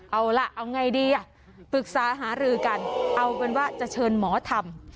เอาล่ะเอาไงดีอ่ะปรึกษาหารือกันเอาเป็นว่าจะเชิญหมอทำ